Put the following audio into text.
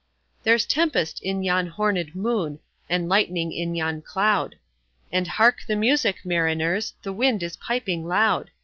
There's tempest in yon hornèd moon, And lightning in yon cloud; And hark the music, mariners, The wind is piping loud!